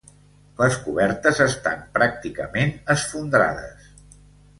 Les cobertes estan pràcticament esfondrades.